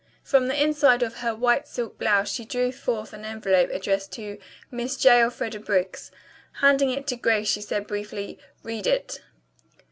From the inside of her white silk blouse she drew forth an envelope addressed to "Miss J. Elfreda Briggs." Handing it to Grace she said briefly: "Read it."